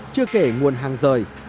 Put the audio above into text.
chưa kể nguồn hàng rời